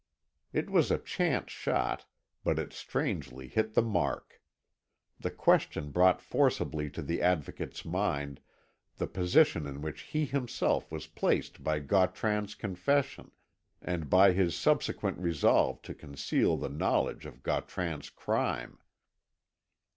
It was a chance shot, but it strangely hit the mark. The question brought forcibly to the Advocate's mind the position in which he himself was placed by Gautran's confession, and by his subsequent resolve to conceal the knowledge of Gautran's crime.